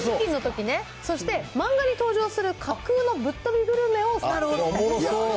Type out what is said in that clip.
そして漫画に登場する架空のぶっ飛びグルメを紹介します。